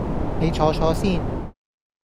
你坐坐先